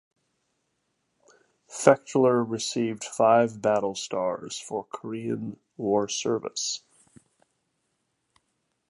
"Fechteler" received five battle stars for Korean War service.